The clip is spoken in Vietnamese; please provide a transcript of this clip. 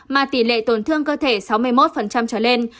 mà tỷ lệ tổn thương cơ thể sáu mươi một trở lên